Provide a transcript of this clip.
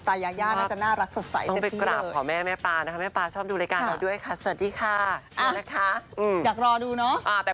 แต่ว่าหนูไปถึงจุดนั้นไม่สบายแบบว่าบิคินิอะไรอย่างนี้ไม่ได้